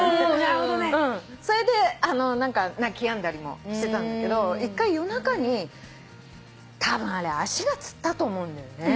それで泣きやんだりもしてたんだけど一回夜中にたぶんあれ足がつったと思うんだよね。